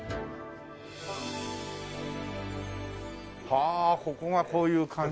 はあここがこういう感じの。